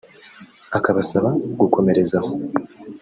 akabasaba gukomerezaho